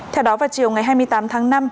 theo đó vào chiều ngày hai mươi tám tháng năm